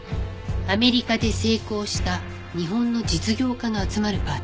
アメリカで成功した日本の実業家が集まるパーティーに。